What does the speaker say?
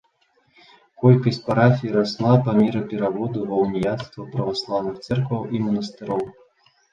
Колькасць парафій расла па меры пераводу ва ўніяцтва праваслаўных цэркваў і манастыроў.